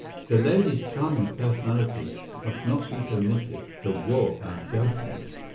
The lady's charming personality must not be permitted to warp our judgment.